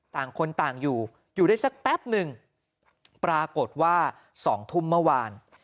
ต่างคนต่างอยู่อยู่ได้สักแป๊บหนึ่งปรากฏว่า๒ทุ่มเมื่อวาน